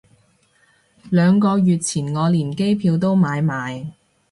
兩個月前我連機票都買埋